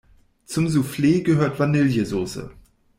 Zum Souffle gehört Vanillesoße.